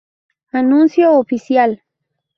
Anuncio Oficial